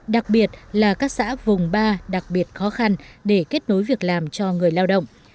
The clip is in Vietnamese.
đặc biệt là các xã vùng ba đặc biệt khó khăn để kết nối việc làm cho người lao động